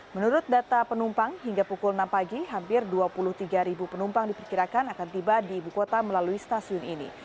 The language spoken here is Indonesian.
menurut data penumpang hingga pukul enam pagi hampir dua puluh tiga penumpang diperkirakan akan tiba di ibu kota melalui stasiun ini